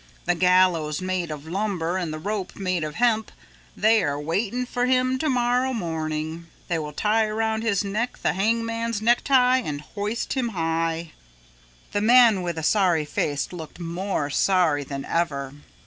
The gallows made of lumber and the rope made of hemp they are waiting for him to morrow morning. They will tie around his neck the hangman's necktie and hoist him high." The man with a sorry face looked more sorry than ever.